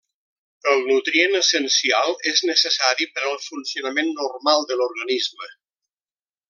El nutrient essencial és necessari per al funcionament normal de l'organisme.